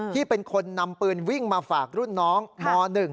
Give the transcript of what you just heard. ที่เป็นคนนำปืนวิ่งมาฝากรุ่นน้องม๑